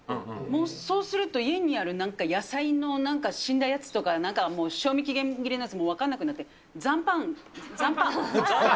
もう、そうすると家にあるなんか野菜の、なんか死んだやつとか、なんかもう、賞味期限切れのやつ、もう分かんなくなって、残飯、残飯。